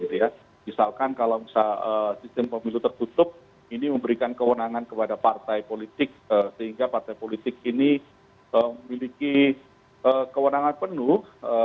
misalkan kalau misalnya sistem pemilu tertutup ini memberikan kewenangan kepada partai politik sehingga partai politik ini memiliki kewenangan penuh